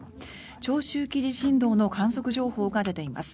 長周期地震動の観測情報が出ています。